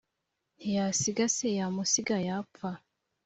ntiyasiga se yamusiga yapfa